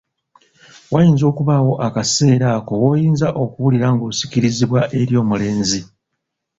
Wayinza okubaawo akaseera ako woyinza okuwulira ng'osikirizibwa eri omulenzi.